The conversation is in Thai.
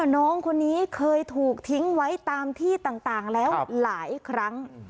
น้องคนนี้เคยถูกทิ้งไว้ตามที่ต่างแล้วหลายครั้ง